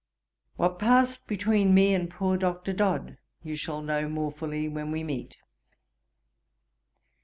'What passed between me and poor Dr. Dodd you shall know more fully when we meet.